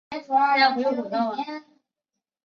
麦丝玛拉成立于雷焦艾米利亚。